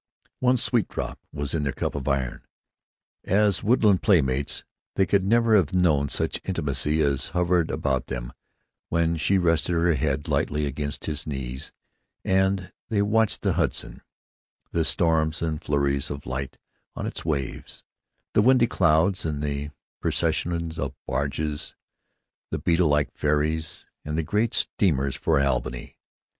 One sweet drop was in their cup of iron. As woodland playmates they could never have known such intimacy as hovered about them when she rested her head lightly against his knees and they watched the Hudson, the storms and flurries of light on its waves, the windy clouds and the processional of barges, the beetle like ferries and the great steamers for Albany.